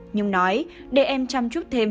nhung nói để em chăm chút thêm